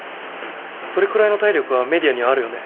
それくらいの体力は ＭＥＤＩＡ にはあるよね